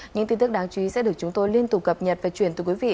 những tin tức đáng chú ý sẽ được chúng tôi liên tục cập nhật và chuyển từ quý vị